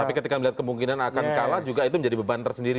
tapi ketika melihat kemungkinan akan kalah juga itu menjadi beban tersendiri